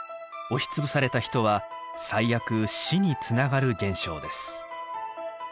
押しつぶされた人は最悪死につながる現象です。